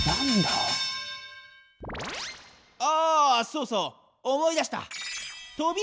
そうそう思い出した。